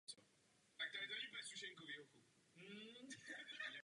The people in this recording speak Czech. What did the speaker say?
Obě tyto vrstvy jsou různým způsobem spojeny pomocí atomů kyslíku.